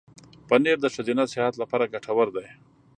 پنېر د ښځینه صحت لپاره ګټور دی.